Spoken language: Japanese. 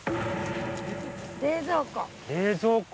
冷蔵庫。